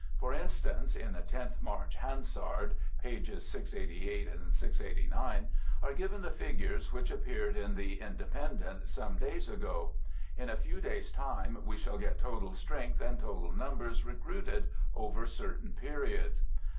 For instance, in the 10th March 'Hansard' (pages 688 and 689) are given the figures which appeared in the 'Independent' some days ago. In a few days' time we shall get total strength and total numbers recruited over certain periods.